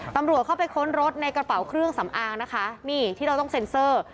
ตำรวจเข้าไปค้นรถในกระเป๋าเครื่องสำอางนะคะนี่ที่เราต้องเซ็นเซอร์